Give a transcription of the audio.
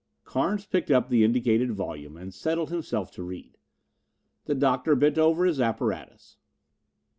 Carnes picked up the indicated volume and settled himself to read. The Doctor bent over his apparatus.